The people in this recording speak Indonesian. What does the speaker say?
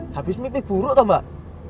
habis mimpi buruk atau mbak